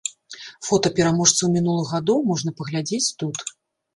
Фота пераможцаў мінулых гадоў можна паглядзець тут.